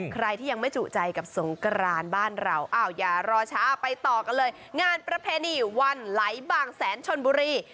ใครที่ยังไม่จุใจกับสงกรานบ้านเราอ้าวอย่ารอช้าไปต่อกันเลยงานประเพณีวันไหลบางแสนชนบุรี